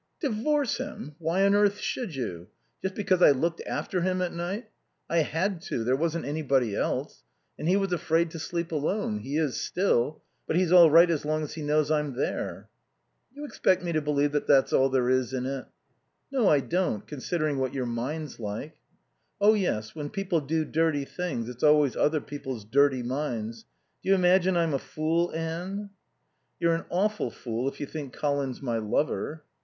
"Divorce him? Why on earth should you? Just because I looked after him at night? I had to. There wasn't anybody else. And he was afraid to sleep alone. He is still. But he's all right as long as he knows I'm there." "You expect me to believe that's all there is in it?" "No, I don't, considering what your mind's like." "Oh yes, when people do dirty things it's always other people's dirty minds. Do you imagine I'm a fool, Anne?" "You're an awful fool if you think Colin's my lover."